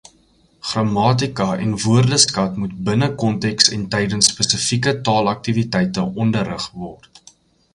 Grammatika en woordeskat moet binne konteks en tydens spesifieke taalaktiwiteite onderrig word.